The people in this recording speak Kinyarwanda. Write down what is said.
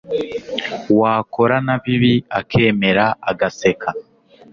wakora na bibi akemera agaseka